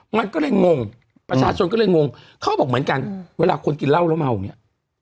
มันก็เลยงงประชาชนก็เลยงงเขาบอกเหมือนกันเวลาคนกินเหล้าแล้วเมาอย่างนี้